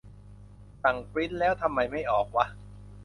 สั่งปริ้นท์แล้วทำไมไม่ออกวะ